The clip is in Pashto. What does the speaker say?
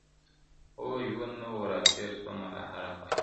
o ه ژوند نه و، را تېر سومه له هر خواهیسه .